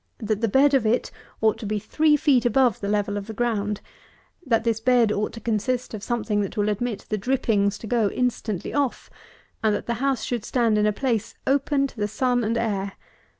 That the bed of it ought to be three feet above the level of the ground; that this bed ought to consist of something that will admit the drippings to go instantly off; and that the house should stand in a place open to the sun and air.